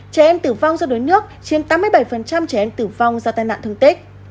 trẻ em tử vong do đuối nước chiếm tám mươi bảy trẻ em tử vong do tai nạn thương tích